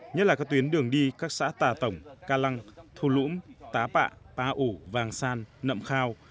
nhất là các tuyến đường đi các xã tà tổng ca lăng thu lũng tá pạ pa ủ